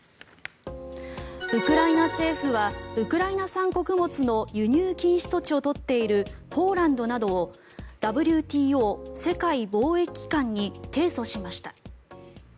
ウクライナ政府はウクライナ産穀物の輸入禁止措置を取っているポーランドなどをＷＴＯ・世界貿易機関に提訴しました。